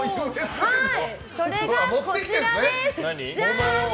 それがこちらです！